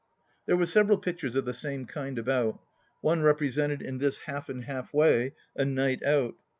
There were several pictures of the same kind about. One represented, in this half and half way, "A Night Out."